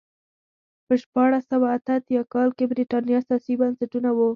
په شپاړس سوه اته اتیا کال کې برېټانیا سیاسي بنسټونه وو.